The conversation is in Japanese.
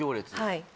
はい。